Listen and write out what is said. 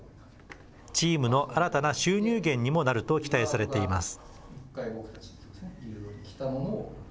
チームの新たな収入源にもなると期待されています。